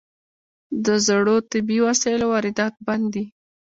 د زړو طبي وسایلو واردات بند دي؟